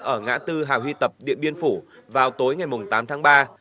ở ngã tư hào huy tập điện biên phủ vào tối ngày tám tháng ba